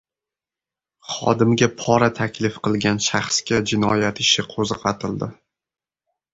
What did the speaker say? Xodimga pora taklif qilgan shaxsga jinoyat ishi qo‘zg‘atildi